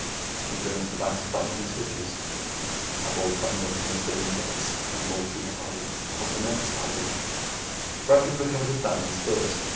She turned to the banks of buttons and switches. Muffled thunder from the stern jets trembled through the hull as the men staggered. [Illustration: 3] Brecken recovered his balance first.